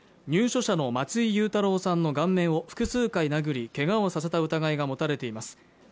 入所者の松井裕太朗さんの顔面を複数回殴りけがをさせた疑いが持たれています